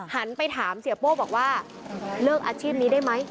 หันไปถามเสียโป้บอกว่าเลิกอาชีพนี้ได้ไหม